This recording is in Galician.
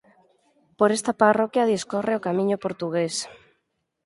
Por esta parroquia discorre o Camiño Portugués.